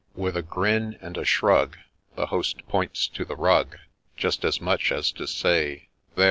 — With a grin and a shrug The host points to the rug, Just as much as to say, ' There